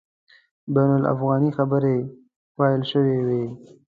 بین الافغاني خبري پیل سوي وای.